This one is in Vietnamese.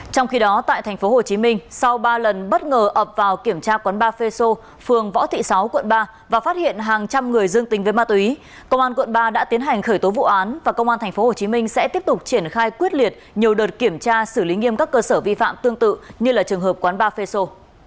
trong khi đó tại tp hcm sau ba lần bất ngờ ập vào kiểm tra quán ba feso phường võ thị sáu quận ba và phát hiện hàng trăm người dương tính với ma túy công an quận ba đã tiến hành khởi tố vụ án và công an tp hcm sẽ tiếp tục triển khai quyết liệt nhiều đợt kiểm tra xử lý nghiêm các cơ sở vi phạm tương tự như là trường hợp quán ba feso